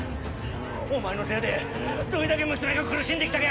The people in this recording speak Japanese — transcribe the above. お前のせいでどれだけ娘が苦しんで来たか！